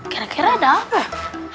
kira kira ada apa